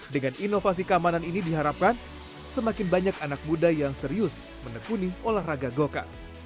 dengan inovasi keamanan ini diharapkan semakin banyak anak muda yang serius menekuni olahraga goka